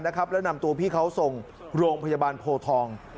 แล้วนำตัวพี่เขาส่งโรงพยาบาลโพทอง